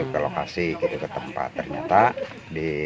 ke lokasi ke tempat ternyata di tempatnya